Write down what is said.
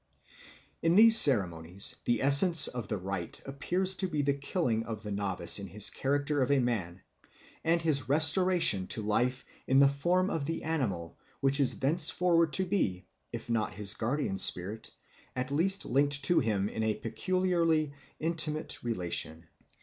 In these ceremonies the essence of the rite appears to be the killing of the novice in his character of a man and his restoration to life in the form of the animal which is thenceforward to be, if not his guardian spirit, at least linked to him in a peculiarly intimate relation.